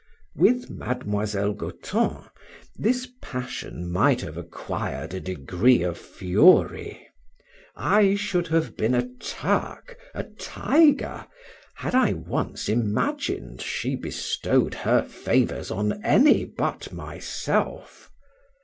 With Miss Goton this passion might have acquired a degree of fury; I should have been a Turk, a tiger, had I once imagined she bestowed her favors on any but myself.